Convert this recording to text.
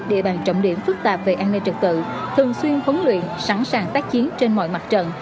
địa bàn trọng điểm phức tạp về an ninh trực tự thường xuyên huấn luyện sẵn sàng tác chiến trên mọi mặt trận